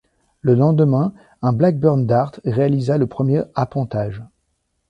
Le lendemain, un Blackburn Dart réalisa le premier appontage.